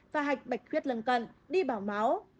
và hạch bạch khuyết lần cận đi bảo máu